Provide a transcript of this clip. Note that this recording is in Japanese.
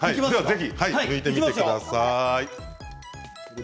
ぜひ、むいてみてください。